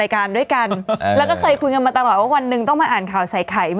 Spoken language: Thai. คุยกันมาตลอดวันหนึ่งต้องมาอ่านข่าวใส่ไข่